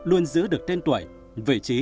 luôn giữ được tên tuổi vị trí